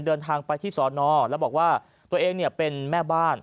เดินทางไปที่สอนอแล้วบอกว่าตัวเองเนี่ยเป็นแม่บ้าน